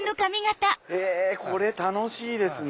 これ楽しいですね。